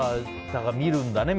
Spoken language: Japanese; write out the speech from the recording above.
見るんだね